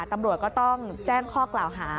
ตำรวจก็ต้องแจ้งข้อกล่าวหา